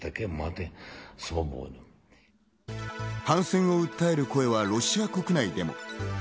反戦を訴える声はロシア国内でも。